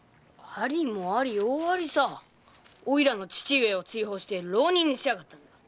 おいらの父上を追放して浪人にしやがったんだ。